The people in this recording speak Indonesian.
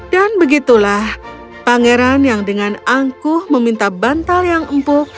dan begitulah pangeran yang dengan angkuh meminta bantal yang empuk